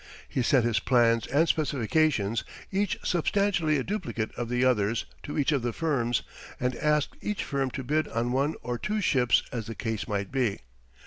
He sent his plans and specifications, each substantially a duplicate of the others, to each of the firms, and asked each firm to bid on one or two ships as the case might be.